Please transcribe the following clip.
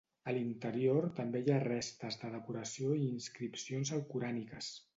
A l'interior també hi ha restes de decoració i inscripcions alcoràniques.